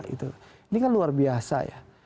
ini kan luar biasa ya